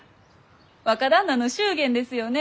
若旦那の祝言ですよね？